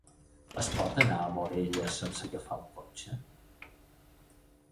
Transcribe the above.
Es pot anar a Morella sense agafar el cotxe?